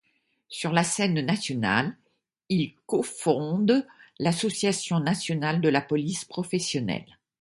Sur la scène nationale, il cofonde l'Association nationale de la police professionnelle.